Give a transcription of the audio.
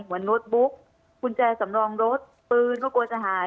โน้ตบุ๊กกุญแจสำรองรถปืนก็กลัวจะหาย